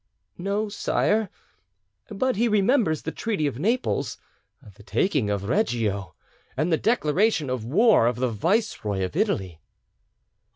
"No, sire; but he remembers the treaty of Naples, the taking of Reggio, and the declaration of war of the viceroy of Italy."